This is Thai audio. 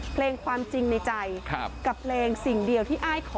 เพลงความจริงในใจกับเพลงสิ่งเดียวที่อ้ายขอ